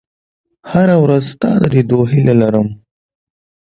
• هره ورځ ستا د لیدو هیله لرم.